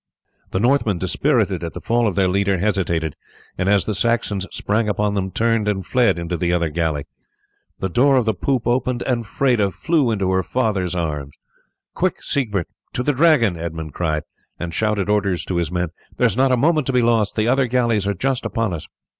The Northmen, dispirited at the fall of their leader, hesitated, and as the Saxons sprang upon them turned and fled into the other galley. The door of the poop opened and Freda flew into her father's arms. "Quick, Siegbert, to the Dragon!" Edmund cried, and shouted orders to his men. "There is not a moment to be lost. The other galleys are just upon us!"